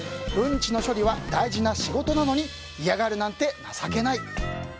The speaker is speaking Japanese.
うんちの処理は大事な仕事なのに嫌がるなんて情けない！